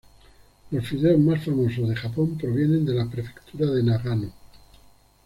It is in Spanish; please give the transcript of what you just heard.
Los fideos más famosos de Japón provienen de la Prefectura de Nagano.